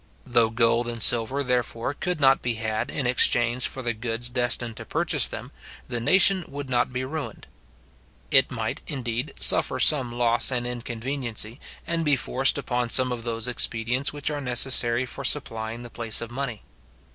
Though gold and silver, therefore, could not be had in exchange for the goods destined to purchase them, the nation would not be ruined. It might, indeed, suffer some loss and inconveniency, and be forced upon some of those expedients which are necessary for supplying the place of money.